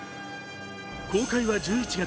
公開は１１月。